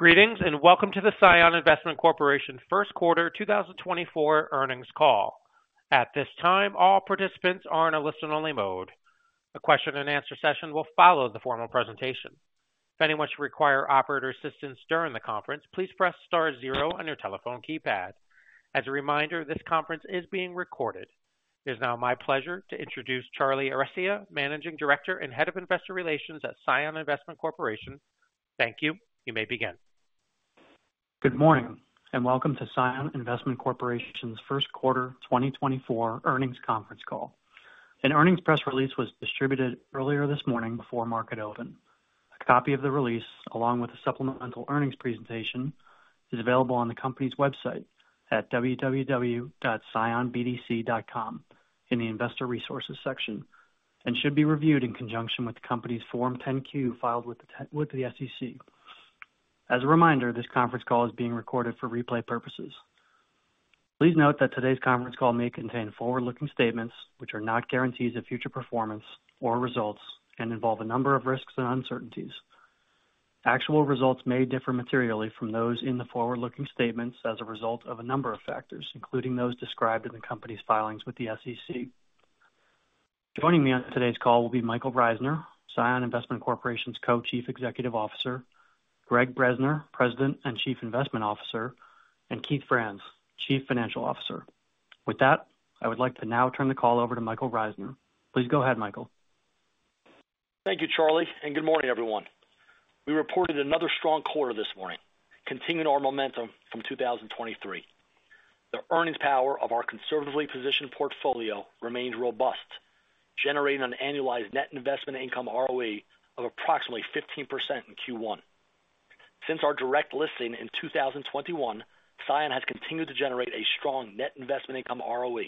Greetings and welcome to the CION Investment Corporation First Quarter 2024 Earnings Call. At this time, all participants are in a listen-only mode. A question-and-answer session will follow the formal presentation. If anyone should require operator assistance during the conference, please press star zero on your telephone keypad. As a reminder, this conference is being recorded. It is now my pleasure to introduce Charlie Arestia, Managing Director and Head of Investor Relations at CION Investment Corporation. Thank you. You may begin. Good morning and welcome to CION Investment Corporation's first quarter 2024 earnings conference call. An earnings press release was distributed earlier this morning before market open. A copy of the release, along with a supplemental earnings presentation, is available on the company's website at www.CIONbdc.com in the Investor Resources section and should be reviewed in conjunction with the company's Form 10-Q filed with the SEC. As a reminder, this conference call is being recorded for replay purposes. Please note that today's conference call may contain forward-looking statements which are not guarantees of future performance or results and involve a number of risks and uncertainties. Actual results may differ materially from those in the forward-looking statements as a result of a number of factors, including those described in the company's filings with the SEC. Joining me on today's call will be Michael Reisner, CION Investment Corporation's Co-Chief Executive Officer, Gregg Bresner, President and Chief Investment Officer, and Keith Franz, Chief Financial Officer. With that, I would like to now turn the call over to Michael Reisner. Please go ahead, Michael. Thank you, Charlie, and good morning, everyone. We reported another strong quarter this morning, continuing our momentum from 2023. The earnings power of our conservatively positioned portfolio remains robust, generating an annualized net investment income ROE of approximately 15% in Q1. Since our direct listing in 2021, CION has continued to generate a strong net investment income ROE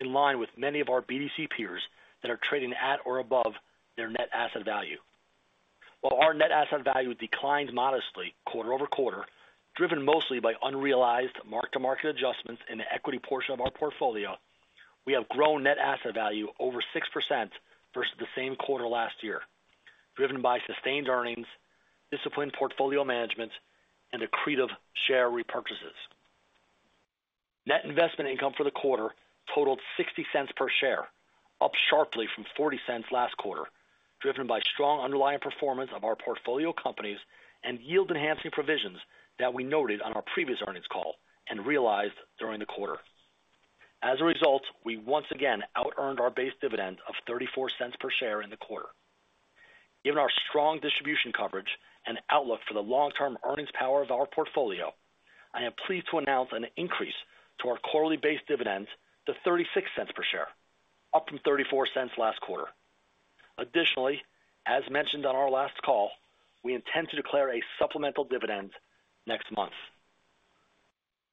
in line with many of our BDC peers that are trading at or above their net asset value. While our net asset value declined modestly quarter-over-quarter, driven mostly by unrealized mark-to-market adjustments in the equity portion of our portfolio, we have grown net asset value over 6% versus the same quarter last year, driven by sustained earnings, disciplined portfolio management, and proceeds of share repurchases. Net investment income for the quarter totaled $0.60 per share, up sharply from $0.40 last quarter, driven by strong underlying performance of our portfolio companies and yield-enhancing provisions that we noted on our previous earnings call and realized during the quarter. As a result, we once again out-earned our base dividend of $0.34 per share in the quarter. Given our strong distribution coverage and outlook for the long-term earnings power of our portfolio, I am pleased to announce an increase to our quarterly base dividend to $0.36 per share, up from $0.34 last quarter. Additionally, as mentioned on our last call, we intend to declare a supplemental dividend next month.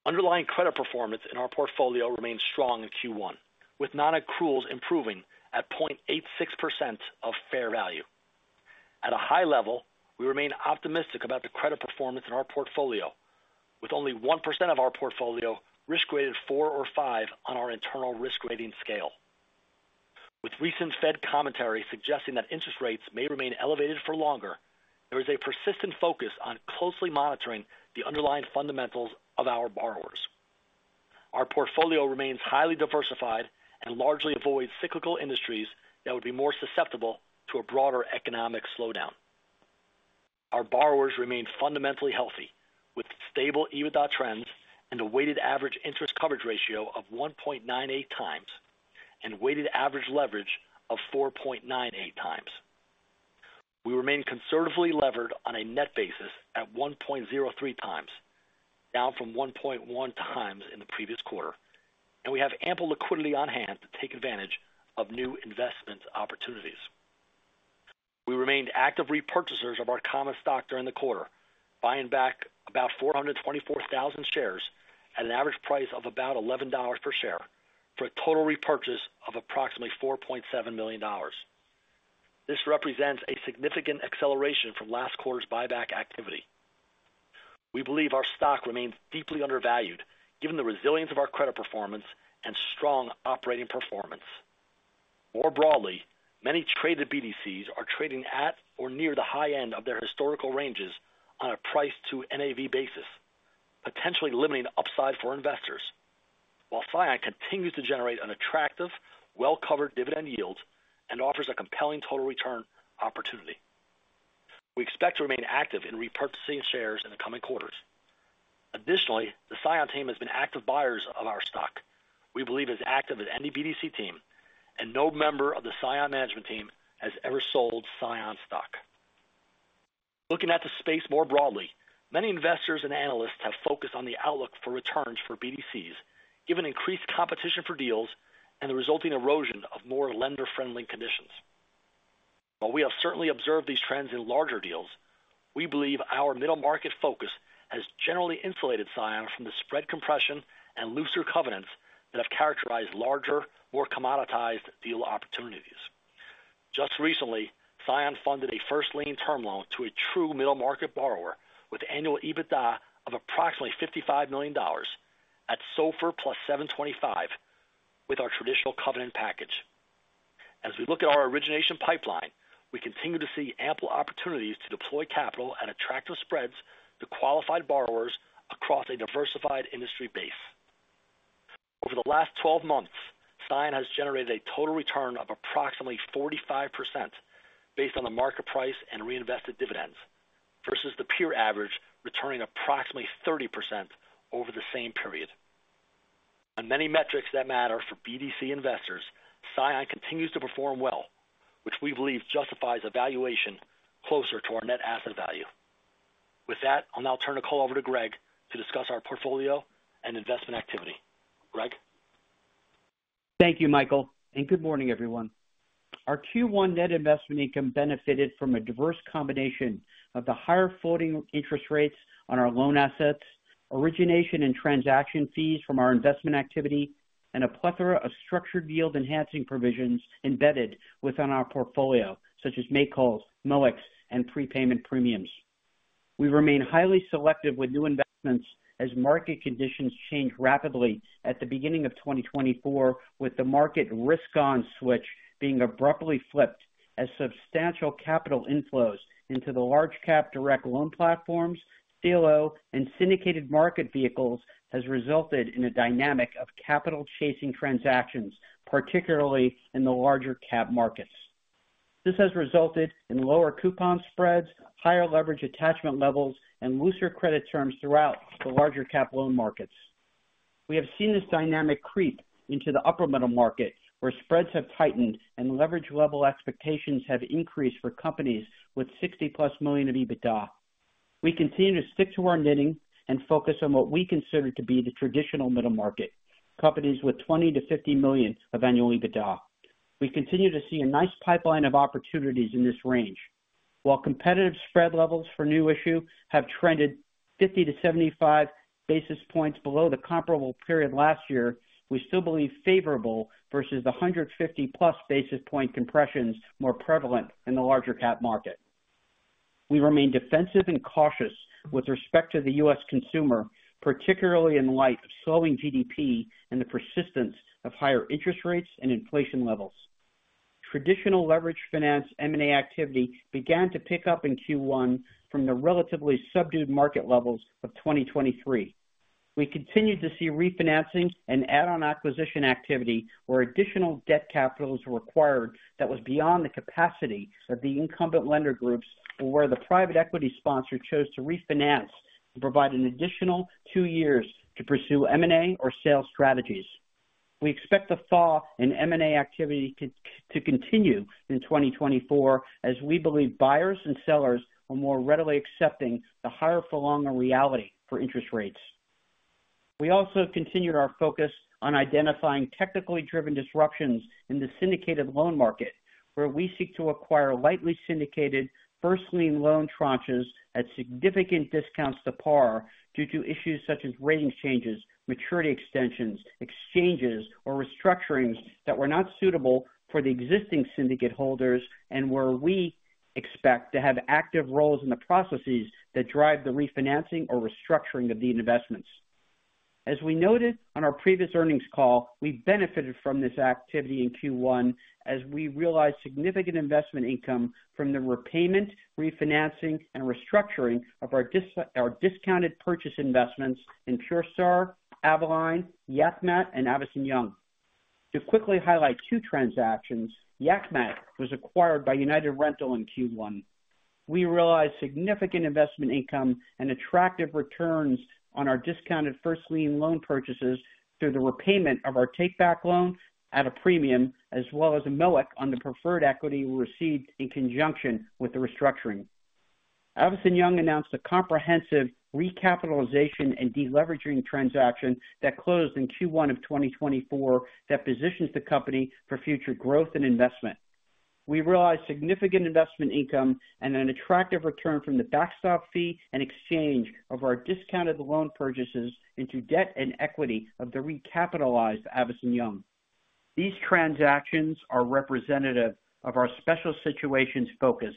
Underlying credit performance in our portfolio remains strong in Q1, with non-accruals improving at 0.86% of fair value. At a high level, we remain optimistic about the credit performance in our portfolio, with only 1% of our portfolio risk-rated 4 or 5 on our internal risk-rating scale. With recent Fed commentary suggesting that interest rates may remain elevated for longer, there is a persistent focus on closely monitoring the underlying fundamentals of our borrowers. Our portfolio remains highly diversified and largely avoids cyclical industries that would be more susceptible to a broader economic slowdown. Our borrowers remain fundamentally healthy, with stable EBITDA trends and a weighted average interest coverage ratio of 1.98x and weighted average leverage of 4.98x. We remain conservatively levered on a net basis at 1.03x, down from 1.1x in the previous quarter, and we have ample liquidity on hand to take advantage of new investment opportunities. We remained active repurchasers of our common stock during the quarter, buying back about 424,000 shares at an average price of about $11 per share for a total repurchase of approximately $4.7 million. This represents a significant acceleration from last quarter's buyback activity. We believe our stock remains deeply undervalued given the resilience of our credit performance and strong operating performance. More broadly, many traded BDCs are trading at or near the high end of their historical ranges on a price-to-NAV basis, potentially limiting upside for investors, while CION continues to generate an attractive, well-covered dividend yield and offers a compelling total return opportunity. We expect to remain active in repurchasing shares in the coming quarters. Additionally, the CION team has been active buyers of our stock, we believe as active as any BDC team, and no member of the CION management team has ever sold CION stock. Looking at the space more broadly, many investors and analysts have focused on the outlook for returns for BDCs given increased competition for deals and the resulting erosion of more lender-friendly conditions. While we have certainly observed these trends in larger deals, we believe our middle-market focus has generally insulated CION from the spread compression and looser covenants that have characterized larger, more commoditized deal opportunities. Just recently, CION funded a first-lien term loan to a true middle-market borrower with annual EBITDA of approximately $55 million at SOFR +7.25% with our traditional covenant package. As we look at our origination pipeline, we continue to see ample opportunities to deploy capital at attractive spreads to qualified borrowers across a diversified industry base. Over the last 12 months, CION has generated a total return of approximately 45% based on the market price and reinvested dividends, versus the pure average returning approximately 30% over the same period. On many metrics that matter for BDC investors, CION continues to perform well, which we believe justifies a valuation closer to our net asset value. With that, I'll now turn the call over to Gregg to discuss our portfolio and investment activity. Gregg? Thank you, Michael, and good morning, everyone. Our Q1 net investment income benefited from a diverse combination of the higher floating interest rates on our loan assets, origination and transaction fees from our investment activity, and a plethora of structured yield-enhancing provisions embedded within our portfolio, such as make-whole, MOICs, and prepayment premiums. We remain highly selective with new investments as market conditions change rapidly at the beginning of 2024, with the market risk-on switch being abruptly flipped as substantial capital inflows into the large-cap direct loan platforms, CLO, and syndicated market vehicles have resulted in a dynamic of capital-chasing transactions, particularly in the larger-cap markets. This has resulted in lower coupon spreads, higher leverage attachment levels, and looser credit terms throughout the larger-cap loan markets. We have seen this dynamic creep into the upper middle market, where spreads have tightened and leverage-level expectations have increased for companies with $60+ million of EBITDA. We continue to stick to our knitting and focus on what we consider to be the traditional middle market, companies with $20 million-$50 million of annual EBITDA. We continue to see a nice pipeline of opportunities in this range. While competitive spread levels for new issue have trended 50-75 basis points below the comparable period last year, we still believe favorable versus the 150+ basis point compressions more prevalent in the larger-cap market. We remain defensive and cautious with respect to the U.S. consumer, particularly in light of slowing GDP and the persistence of higher interest rates and inflation levels. Traditional leverage finance M&A activity began to pick up in Q1 from the relatively subdued market levels of 2023. We continued to see refinancing and add-on acquisition activity, where additional debt capital was required that was beyond the capacity of the incumbent lender groups or where the private equity sponsor chose to refinance and provide an additional two years to pursue M&A or sales strategies. We expect the thaw in M&A activity to continue in 2024, as we believe buyers and sellers are more readily accepting the higher-for-longer reality for interest rates. We also continued our focus on identifying technically driven disruptions in the syndicated loan market, where we seek to acquire lightly syndicated first-lien loan tranches at significant discounts to par due to issues such as rating changes, maturity extensions, exchanges, or restructurings that were not suitable for the existing syndicate holders and where we expect to have active roles in the processes that drive the refinancing or restructuring of the investments. As we noted on our previous earnings call, we benefited from this activity in Q1 as we realized significant investment income from the repayment, refinancing, and restructuring of our discounted purchase investments in PureStar, Avalon, Yak Mat, and Avison Young. To quickly highlight two transactions, Yak Mat was acquired by United Rentals in Q1. We realized significant investment income and attractive returns on our discounted first-lien loan purchases through the repayment of our take-back loan at a premium, as well as a MOIC on the preferred equity we received in conjunction with the restructuring. Avison Young announced a comprehensive recapitalization and deleveraging transaction that closed in Q1 of 2024 that positions the company for future growth and investment. We realized significant investment income and an attractive return from the backstop fee and exchange of our discounted loan purchases into debt and equity of the recapitalized Avison Young. These transactions are representative of our special situations focus,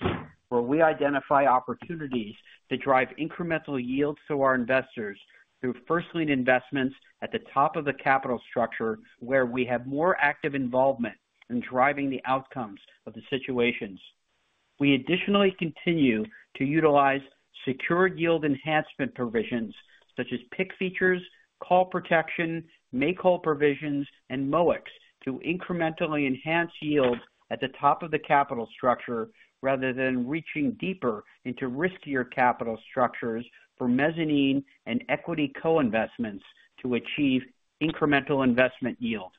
where we identify opportunities to drive incremental yields to our investors through first-lien investments at the top of the capital structure, where we have more active involvement in driving the outcomes of the situations. We additionally continue to utilize secured yield-enhancement provisions such as PIK features, call protection, make-whole provisions, and MOICs to incrementally enhance yields at the top of the capital structure rather than reaching deeper into riskier capital structures for mezzanine and equity co-investments to achieve incremental investment yield.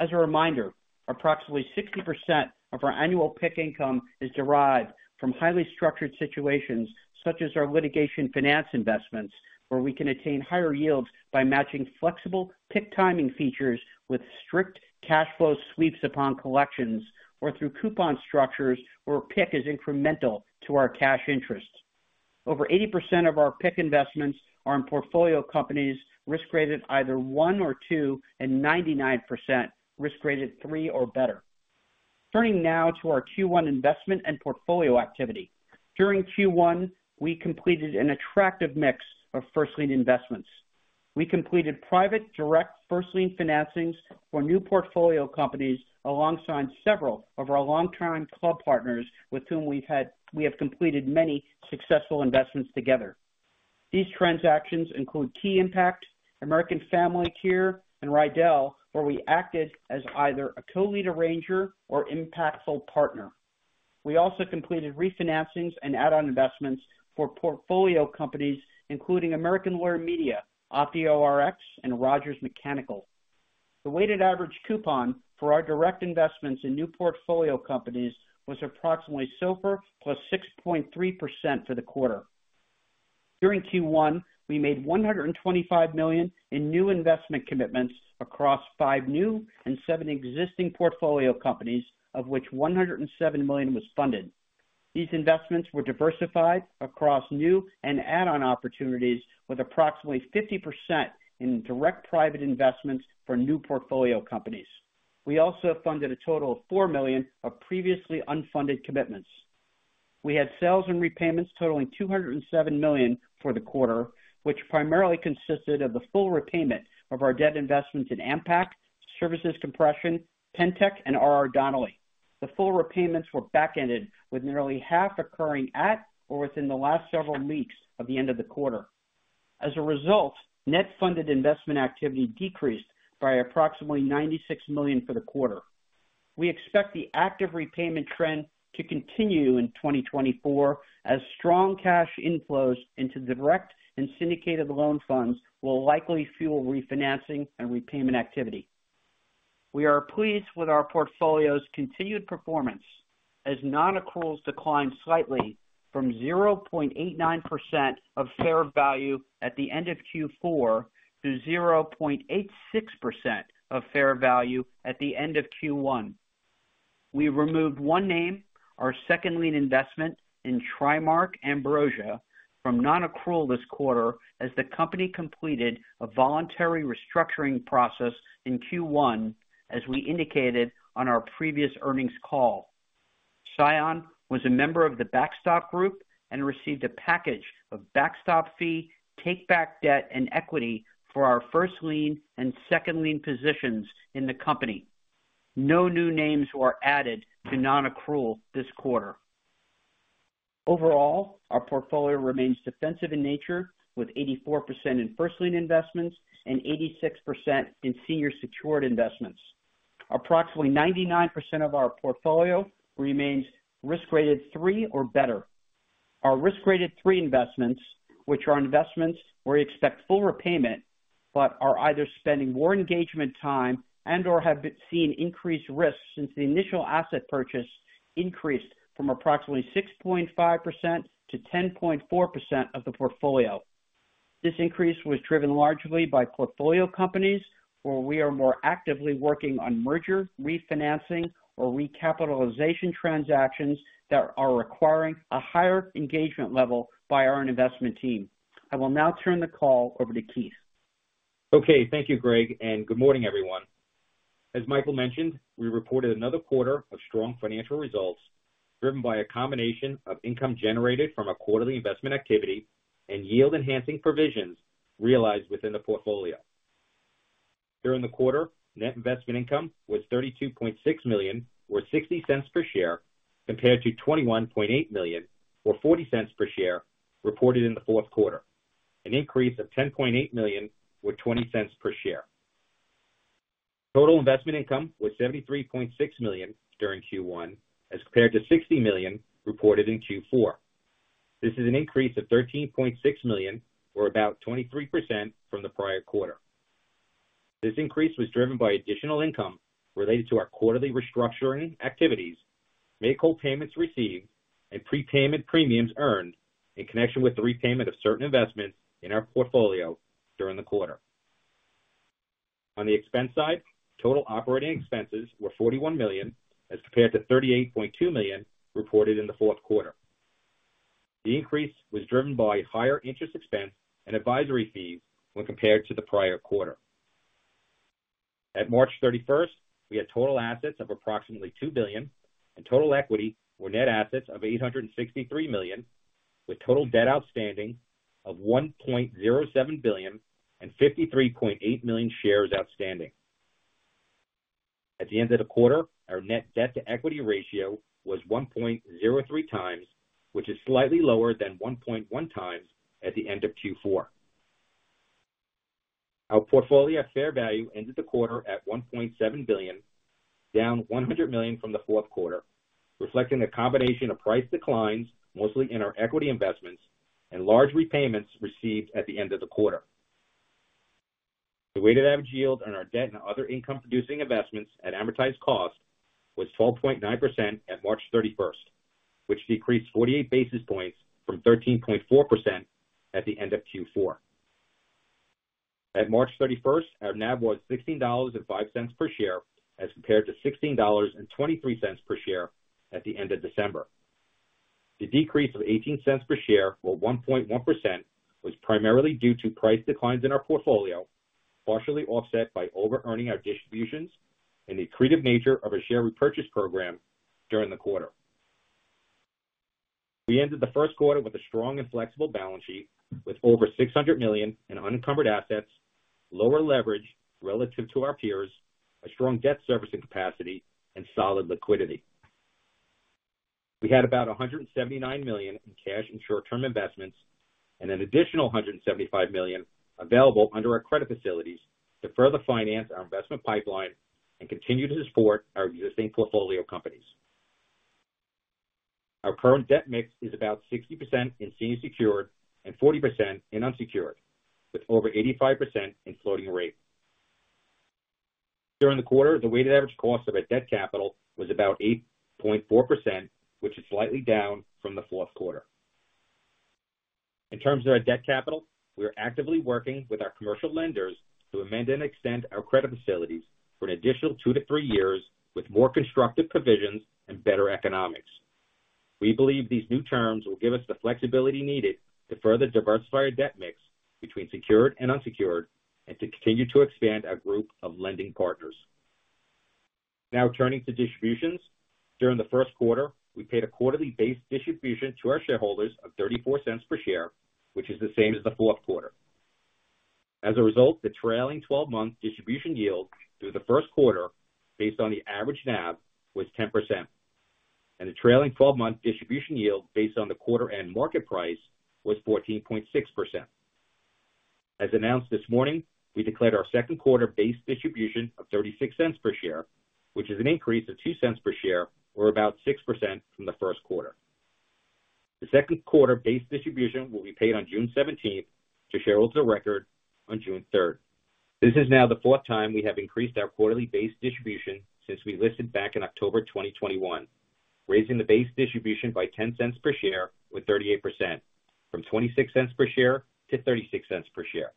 As a reminder, approximately 60% of our annual PIK income is derived from highly structured situations such as our litigation finance investments, where we can attain higher yields by matching flexible PIK timing features with strict cash flow sweeps upon collections, or through coupon structures where PIK is incremental to our cash interest. Over 80% of our PIK investments are in portfolio companies risk-rated either 1 or 2 and 99% risk-rated 3 or better. Turning now to our Q1 investment and portfolio activity. During Q1, we completed an attractive mix of first lien investments. We completed private direct first lien financings for new portfolio companies alongside several of our long-time club partners with whom we have completed many successful investments together. These transactions include Key Impact, American Family Care, and [Rydell] where we acted as either a co-lead arranger or impactful partner. We also completed refinancings and add-on investments for portfolio companies, including American Lawyer Media, OptioRx, and Rogers Mechanical. The weighted average coupon for our direct investments in new portfolio companies was approximately SOFR +6.3% for the quarter. During Q1, we made $125 million in new investment commitments across five new and seven existing portfolio companies, of which $107 million was funded. These investments were diversified across new and add-on opportunities, with approximately 50% in direct private investments for new portfolio companies. We also funded a total of $4 million of previously unfunded commitments. We had sales and repayments totaling $207 million for the quarter, which primarily consisted of the full repayment of our debt investments in Ampac, Nova Compression, Pentec, and R.R. Donnelley. The full repayments were back-ended, with nearly half occurring at or within the last several weeks of the end of the quarter. As a result, net funded investment activity decreased by approximately $96 million for the quarter. We expect the active repayment trend to continue in 2024, as strong cash inflows into the direct and syndicated loan funds will likely fuel refinancing and repayment activity. We are pleased with our portfolio's continued performance, as non-accruals declined slightly from 0.89% of fair value at the end of Q4 to 0.86% of fair value at the end of Q1. We removed one name, our second-lien investment in TriMark Ambrosia, from non-accrual this quarter as the company completed a voluntary restructuring process in Q1, as we indicated on our previous earnings call. CION was a member of the backstop group and received a package of backstop fee, take-back debt, and equity for our first-lien and second-lien positions in the company. No new names were added to non-accrual this quarter. Overall, our portfolio remains defensive in nature, with 84% in first-lien investments and 86% in senior secured investments. Approximately 99% of our portfolio remains risk-rated 3 or better. Our risk-rated 3 investments, which are investments where we expect full repayment but are either spending more engagement time and/or have seen increased risks since the initial asset purchase, increased from approximately 6.5%-10.4% of the portfolio. This increase was driven largely by portfolio companies, where we are more actively working on merger, refinancing, or recapitalization transactions that are requiring a higher engagement level by our investment team. I will now turn the call over to Keith. Okay. Thank you, Gregg, and good morning, everyone. As Michael mentioned, we reported another quarter of strong financial results, driven by a combination of income generated from our quarterly investment activity and yield-enhancing provisions realized within the portfolio. During the quarter, net investment income was $32.6 million or $0.60 per share, compared to $21.8 million or $0.40 per share reported in the fourth quarter, an increase of $10.8 million or $0.20 per share. Total investment income was $73.6 million during Q1, as compared to $60 million reported in Q4. This is an increase of $13.6 million or about 23% from the prior quarter. This increase was driven by additional income related to our quarterly restructuring activities, make-whole payments received, and prepayment premiums earned in connection with the repayment of certain investments in our portfolio during the quarter. On the expense side, total operating expenses were $41 million as compared to $38.2 million reported in the fourth quarter. The increase was driven by higher interest expense and advisory fees when compared to the prior quarter. At March 31st, we had total assets of approximately $2 billion, and total equity or net assets of $863 million, with total debt outstanding of $1.07 billion and 53.8 million shares outstanding. At the end of the quarter, our net debt-to-equity ratio was 1.03x, which is slightly lower than 1.1x at the end of Q4. Our portfolio at fair value ended the quarter at $1.7 billion, down $100 million from the fourth quarter, reflecting a combination of price declines, mostly in our equity investments, and large repayments received at the end of the quarter. The weighted average yield on our debt and other income-producing investments at amortized cost was 12.9% at March 31st, which decreased 48 basis points from 13.4% at the end of Q4. At March 31st, our NAV was $16.05 per share as compared to $16.23 per share at the end of December. The decrease of $0.18 per share or 1.1% was primarily due to price declines in our portfolio, partially offset by over-earning our distributions and the creative nature of our share repurchase program during the quarter. We ended the first quarter with a strong and flexible balance sheet, with over $600 million in unencumbered assets, lower leverage relative to our peers, a strong debt servicing capacity, and solid liquidity. We had about $179 million in cash and short-term investments, and an additional $175 million available under our credit facilities to further finance our investment pipeline and continue to support our existing portfolio companies. Our current debt mix is about 60% in senior secured and 40% in unsecured, with over 85% in floating rate. During the quarter, the weighted average cost of our debt capital was about 8.4%, which is slightly down from the fourth quarter. In terms of our debt capital, we are actively working with our commercial lenders to amend and extend our credit facilities for an additional two to three years with more constructive provisions and better economics. We believe these new terms will give us the flexibility needed to further diversify our debt mix between secured and unsecured and to continue to expand our group of lending partners. Now turning to distributions. During the first quarter, we paid a quarterly base distribution to our shareholders of $0.34 per share, which is the same as the fourth quarter. As a result, the trailing 12-month distribution yield through the first quarter based on the average NAV was 10%, and the trailing 12-month distribution yield based on the quarter-end market price was 14.6%. As announced this morning, we declared our second quarter base distribution of $0.36 per share, which is an increase of $0.02 per share or about 6% from the first quarter. The second quarter base distribution will be paid on June 17th to shareholders of record on June 3rd. This is now the fourth time we have increased our quarterly based distribution since we listed back in October 2021, raising the base distribution by $0.10 per share or 38%, from $0.26 per share to $0.36 per share.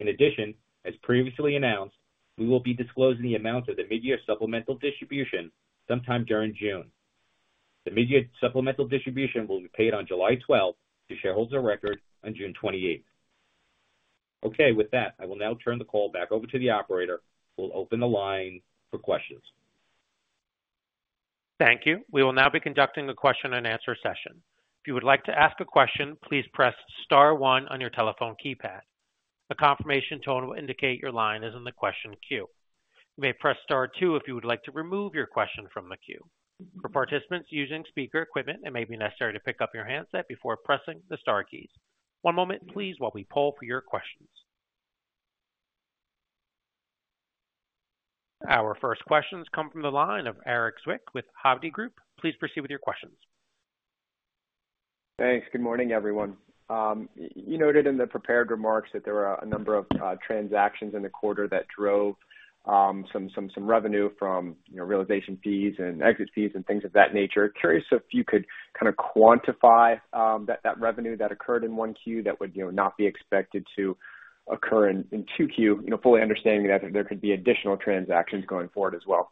In addition, as previously announced, we will be disclosing the amount of the midyear supplemental distribution sometime during June. The midyear supplemental distribution will be paid on July 12th to shareholders of record on June 28th. Okay. With that, I will now turn the call back over to the operator. We'll open the line for questions. Thank you. We will now be conducting a question-and-answer session. If you would like to ask a question, please press star one on your telephone keypad. A confirmation tone will indicate your line is in the question queue. You may press star two if you would like to remove your question from the queue. For participants using speaker equipment, it may be necessary to pick up your handset before pressing the star keys. One moment, please, while we pull for your questions. Our first questions come from the line of Erik Zwick with Hovde Group. Please proceed with your questions. Thanks. Good morning, everyone. You noted in the prepared remarks that there were a number of transactions in the quarter that drove some revenue from realization fees and exit fees and things of that nature. Curious if you could kind of quantify that revenue that occurred in Q1 that would not be expected to occur in Q2, fully understanding that there could be additional transactions going forward as well.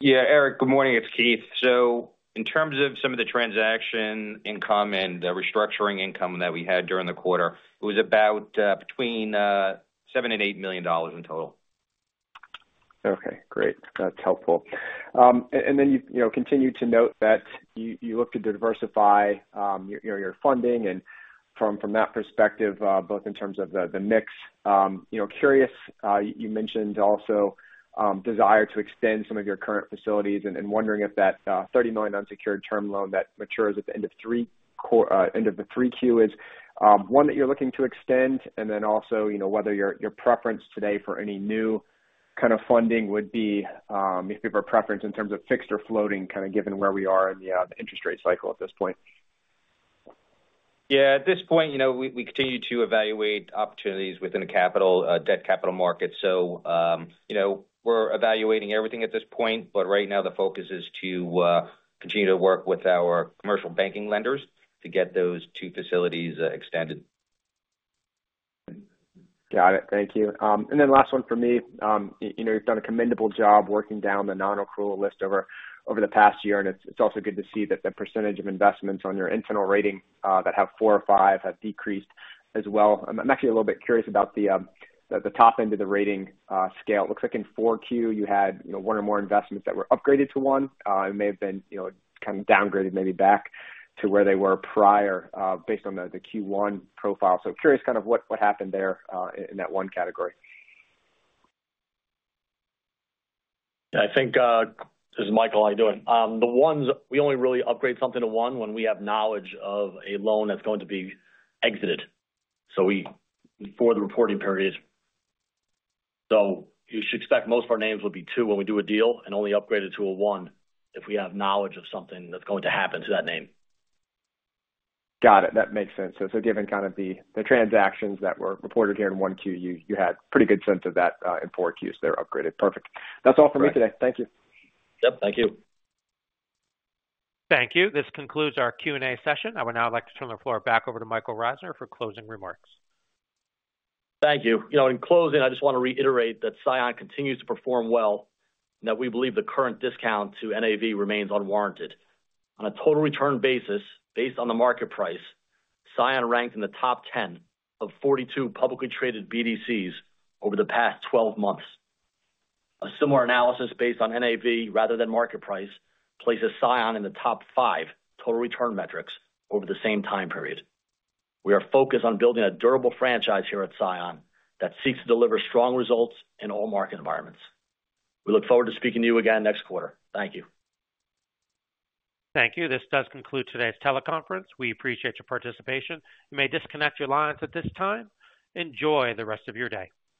Yeah. Erik, good morning. It's Keith. So in terms of some of the transaction income and the restructuring income that we had during the quarter, it was about between $7 million and $8 million in total. Okay. Great. That's helpful. And then you continued to note that you looked to diversify your funding. And from that perspective, both in terms of the mix, curious, you mentioned also desire to extend some of your current facilities and wondering if that $30 million unsecured term loan that matures at the end of the Q3 is one that you're looking to extend, and then also whether your preference today for any new kind of funding would be if you have a preference in terms of fixed or floating, kind of given where we are in the interest rate cycle at this point. Yeah. At this point, we continue to evaluate opportunities within the debt capital market. So we're evaluating everything at this point, but right now the focus is to continue to work with our commercial banking lenders to get those two facilities extended. Got it. Thank you. And then last one for me. You've done a commendable job working down the non-accrual list over the past year, and it's also good to see that the percentage of investments on your internal rating that have four or five have decreased as well. I'm actually a little bit curious about the top end of the rating scale. It looks like in Q4, you had one or more investments that were upgraded to one. It may have been kind of downgraded, maybe back to where they were prior based on the Q1 profile. So curious kind of what happened there in that one category? Yeah. I think this is Michael. How are you doing? We only really upgrade something to 1 when we have knowledge of a loan that's going to be exited for the reporting period. So you should expect most of our names will be 2 when we do a deal and only upgrade it to a 1 if we have knowledge of something that's going to happen to that name. Got it. That makes sense. So given kind of the transactions that were reported here in 1Q, you had a pretty good sense of that in 4Q's that are upgraded. Perfect. That's all for me today. Thank you. Yep. Thank you. Thank you. This concludes our Q&A session. I would now like to turn the floor back over to Michael Reisner for closing remarks. Thank you. In closing, I just want to reiterate that CION continues to perform well and that we believe the current discount to NAV remains unwarranted. On a total return basis, based on the market price, CION ranked in the top 10 of 42 publicly traded BDCs over the past 12 months. A similar analysis based on NAV rather than market price places CION in the top 5 total return metrics over the same time period. We are focused on building a durable franchise here at CION that seeks to deliver strong results in all market environments. We look forward to speaking to you again next quarter. Thank you. Thank you. This does conclude today's teleconference. We appreciate your participation. You may disconnect your lines at this time. Enjoy the rest of your day.